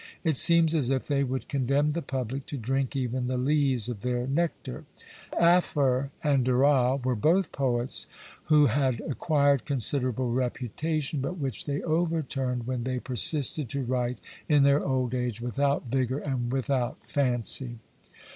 It seems as if they would condemn the public to drink even the lees of their nectar." Afer and Daurat were both poets who had acquired considerable reputation, but which they overturned when they persisted to write in their old age without vigour and without fancy.